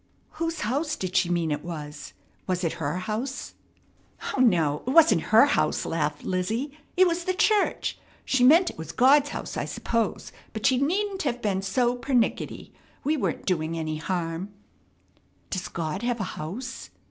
"Whose house did she mean it was? Was it her house?" "O, no, it wasn't her house," laughed Lizzie. "It was the church. She meant it was God's house, I s'pose, but she needn't have been so pernickety. We weren't doing any harm." "Does God have a house?"